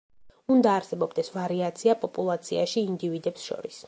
უნდა არსებობდეს ვარიაცია პოპულაციაში ინდივიდებს შორის.